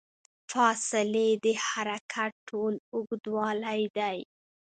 فاصلې د حرکت ټول اوږدوالی دی.